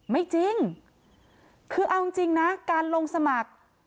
ไม่จริงคือเอาจริงนะการลงสมัคร